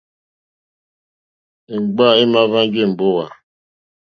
Èmgbâ èhwánjì èmbówà.